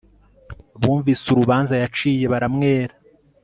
bumvise urubanza yaciye baramwera